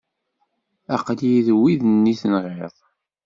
Aqli-yi seg wid-nni tenɣiḍ.